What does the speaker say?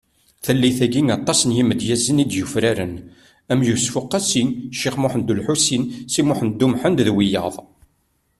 Tallit-agi, aṭas n yimedyazen i d-yufraren am Yusef Uqasi , Cix Muhend Ulḥusin Si Muḥend Umḥend d wiyaḍ .